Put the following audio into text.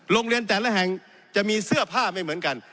โรงเรียนแต่ละแห่งจะมีเสื้อผ้าไม่เหมือนกัน